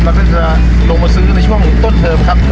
เราจะลงมาซื้อในช่วงหมูต้นเทิมครับ